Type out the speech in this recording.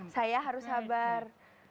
saya harus sabar